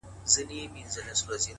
• حرص او غرور -